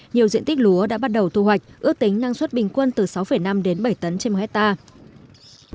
nhiều diện tích lúa đã bắt đầu thu hoạch ước tính năng suất bình quân từ sáu năm đến bảy tấn trên một hectare